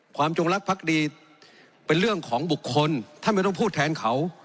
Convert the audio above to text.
จงรักภักดีเป็นเรื่องของบุคคลท่านไม่ต้องพูดแทนเขา